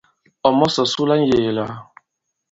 Ɔ̀ mɔ̀sɔ̀ su la ŋ̀yēē lā ?